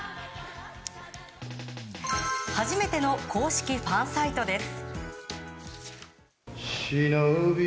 初めての公式ファンサイトです。